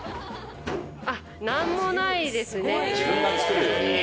何もないですね。